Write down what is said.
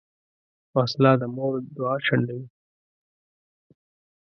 وسله د مور دعا شنډوي